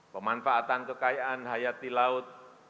pemanfaatan kekayaan hayati laut